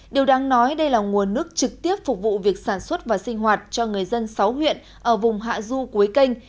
điều đáng nói đây là nguồn nước trực tiếp phục vụ việc sản xuất và sinh hoạt cho người dân sáu huyện ở vùng hạ du cuối canh